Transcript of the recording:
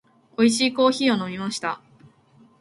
美味しいコーヒーを飲みました。